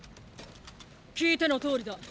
聞いてのとおりだ。